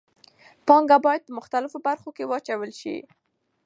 پانګه باید په مختلفو برخو کې واچول شي.